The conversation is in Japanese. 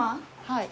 はい。